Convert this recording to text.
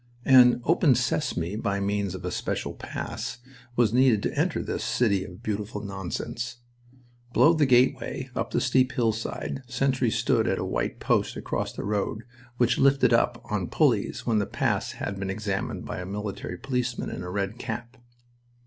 An "open sesame," by means of a special pass, was needed to enter this City of Beautiful Nonsense. Below the gateway, up the steep hillside, sentries stood at a white post across the road, which lifted up on pulleys when the pass had been examined by a military policeman in a red cap.